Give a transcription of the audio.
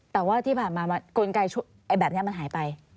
แต่ว่าที่ผ่านมากลไกแบบนี้มันหายไป